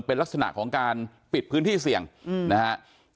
เป็นลักษณะของการปิดพื้นที่เสี่ยงนะครับ